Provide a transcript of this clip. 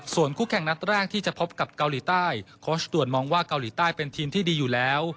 ส่วนคู่แข่งนัดแรกที่จะพบกับเกาหลีใต้โค้ชด่วนมองว่าเกาหลีใต้เป็นทีมที่ดีอยู่แล้ว